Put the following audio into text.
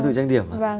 em tự trang điểm à